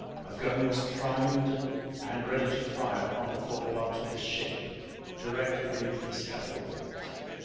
A gun was primed and ready to fire, on the fore part of the ship, directly beneath the scaffold.